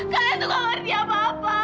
kalian tuh gak ngerti apa apa